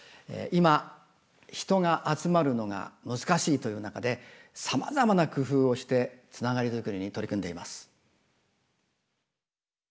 今人が集まるのが難しいという中でさまざまな工夫をしてつながりづくりに取り組んでいます。